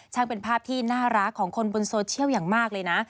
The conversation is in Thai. เป็นภาพที่น่ารักของคนบนโซเชียลอย่างมากเลยนะ